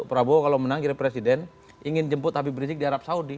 prabowo kalau menanggil presiden ingin jemput habib rizik di arab saudi